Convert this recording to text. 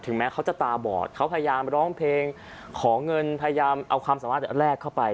แม้เขาจะตาบอดเขาพยายามร้องเพลงขอเงินพยายามเอาความสามารถแลกเข้าไป